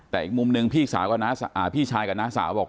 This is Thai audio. แต่อีกมุมหนึ่งพี่สาวกับน้าพี่ชายกับน้าสาวบอก